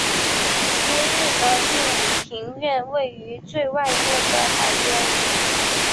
昔日的第五庭院位于最外面的海边。